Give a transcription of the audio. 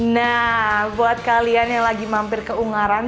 nah buat kalian yang lagi mampir ke ungaran